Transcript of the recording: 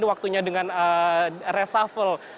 waktunya dengan resafel